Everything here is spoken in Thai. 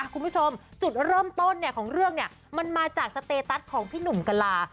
คุณผู้ชมจุดเริ่มต้นของเรื่องเนี่ยมันมาจากสเตตัสของพี่หนุ่มกะลา